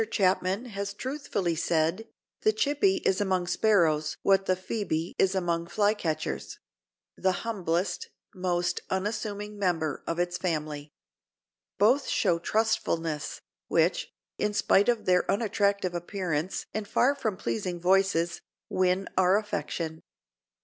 Chapman has truthfully said: "The Chippy is among sparrows what the phœbe is among flycatchers—the humblest, most unassuming member of its family. Both show trustfulness, which, in spite of their unattractive appearance and far from pleasing voices, win our affection."